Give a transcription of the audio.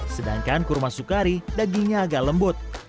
sedangkan kurma sukari dagingnya agak lembut